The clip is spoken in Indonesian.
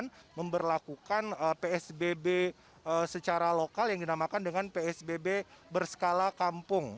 kemudian memperlakukan psbb secara lokal yang dinamakan dengan psbb berskala kampung